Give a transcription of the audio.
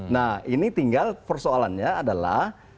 nah ini tinggal persoalannya adalah